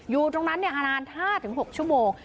อยู่ตรงนั้นนาน๕๖ชั่วโมง